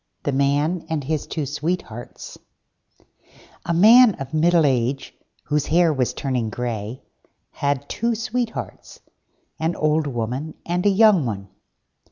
THE MAN AND HIS TWO SWEETHEARTS A Man of middle age, whose hair was turning grey, had two Sweethearts, an old woman and a young one.